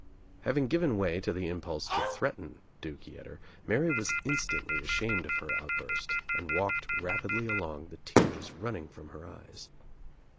Having given way to the Impulse to threaten Duke Yetter Mary was instantly ashamed of her outburst and walked rapidly along, the tears running from her eyes.